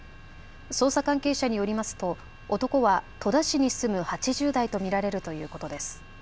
捜査関係者によりますと男は戸田市に住む８０代と見られるということです。